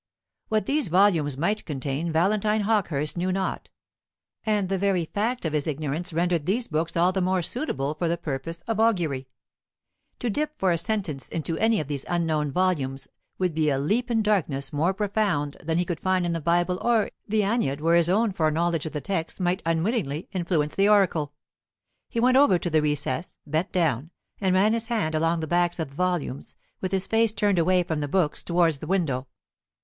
What these volumes might contain Valentine Hawkehurst knew not; and the very fact of his ignorance rendered these books all the more suitable for the purpose of augury. To dip for a sentence into any of these unknown volumes would be a leap in darkness more profound than he could find in the Bible or the "Æneid," where his own foreknowledge of the text might unwittingly influence the oracle. He went over to the recess, bent down, and ran his hand along the backs of the volumes, with his face turned away from the books towards the window.